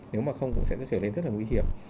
nếu mà không cũng sẽ trở nên rất là nguy hiểm